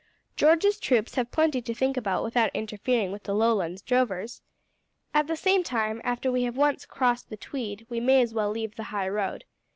George's troops have plenty to think about without interfering with the Lowlands drovers. At the same time, after we have once crossed the Tweed, we may as well leave the high road.